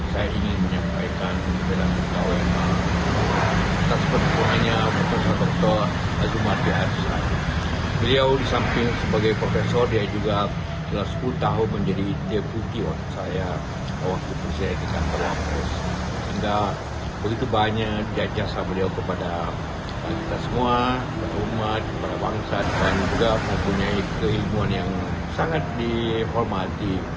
semua umat para bangsa dan juga mempunyai keilmuan yang sangat dihormati di kalangan dunia intelektual